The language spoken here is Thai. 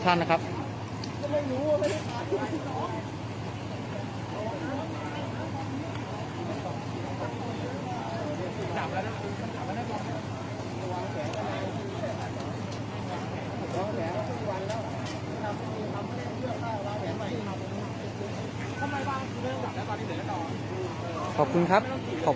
มันก็ไม่ต่างจากที่นี่นะครับ